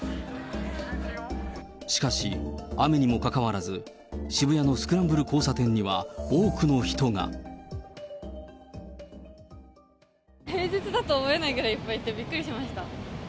しかし、雨にもかかわらず、渋谷のスクランブル交差点には多くの人が。平日だと思えないぐらいいっぱいいてびっくりしました。